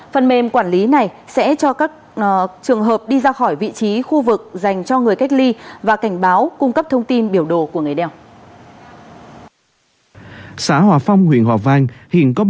phần mềm quản lý này sẽ cho các trường hợp đi ra khỏi vị trí khu vực dành cho người cách ly và cảnh báo cung cấp thông tin biểu đồ của người đeo